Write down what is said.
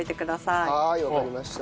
はいわかりました。